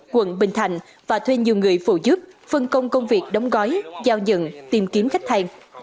quận bình thạnh và thuê nhiều người phụ giúp phân công công việc đóng gói giao nhận tìm kiếm khách hàng